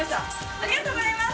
・ありがとうございます！